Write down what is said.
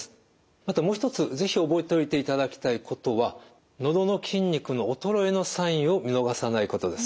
あともう一つ是非覚えといていただきたいことはのどの筋肉の衰えのサインを見逃さないことです。